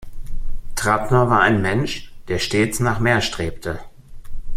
Trattner war ein Mensch, der stets nach mehr strebte.